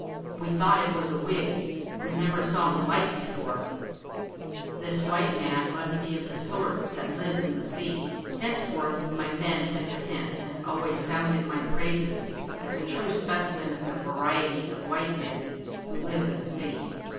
We thought it was a wig; we never saw the like before ; this white man must be of the sort that lives in the sea." Henceforth my men took the hint, and always sounded my praises as a true specimen of the variety of white men who live in the sea.